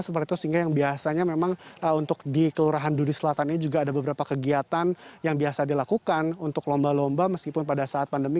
seperti itu sehingga yang biasanya memang untuk di kelurahan duri selatan ini juga ada beberapa kegiatan yang biasa dilakukan untuk lomba lomba meskipun pada saat pandemi